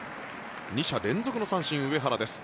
２者連続の三振、上原です。